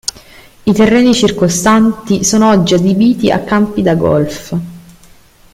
I terreni circostanti sono oggi adibiti a campi da golf.